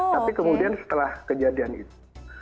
tapi kemudian setelah kejadian itu